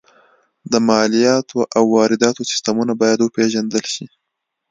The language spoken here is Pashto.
د مالیاتو او وارداتو سیستمونه باید وپېژندل شي